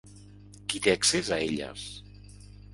Qui te accés a elles?